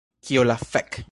Kio la fek...